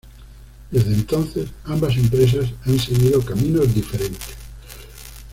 Desde entonces ambas empresas han seguido caminos diferentes..